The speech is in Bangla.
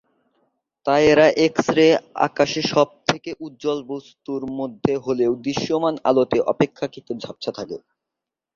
তাই এরা এক্স-রে আকাশে সবথেকে উজ্জ্বল বস্তুর মধ্যে হলেও, দৃশ্যমান আলোতে অপেক্ষাকৃত ঝাপসা থাকে।